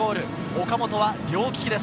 岡本は両利きです。